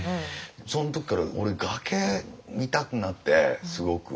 そん時から俺崖見たくなってすごく。